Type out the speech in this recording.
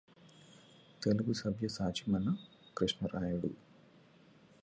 తెలుగుసవ్యసాచి మన కృష్ణరాయుడు